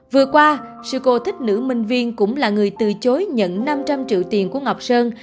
vừa qua sico thích nữ minh viên cũng là người từ chối nhận năm trăm linh triệu tiền của ngọc sơn